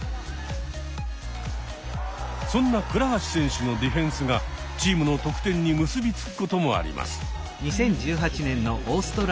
そんな倉橋選手のディフェンスがチームの得点に結び付くこともあります。